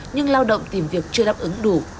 nhưng lao động tìm việc chưa đáp ứng đủ